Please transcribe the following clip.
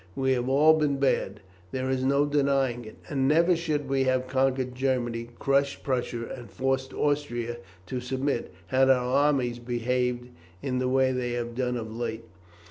We have all been bad; there is no denying it; and never should we have conquered Germany, crushed Prussia, and forced Austria to submit, had our armies behaved in the way they have done of late.